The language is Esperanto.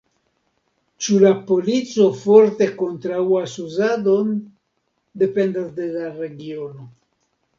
Ĉu la polico forte kontraŭas uzadon, dependas de la regiono.